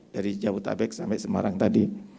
dari jabodetabek sampai semarang tadi